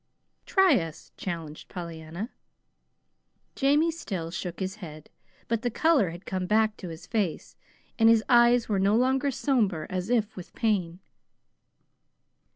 "Try us," challenged Pollyanna. Jamie still shook his head but the color had come back to his face, and his eyes were no longer somber as if with pain.